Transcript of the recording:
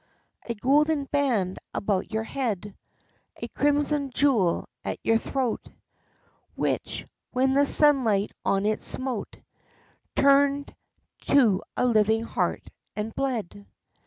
A golden band about your head, a crimson jewel at your throat Which, when the sunlight on it smote, turned to a living heart and bled.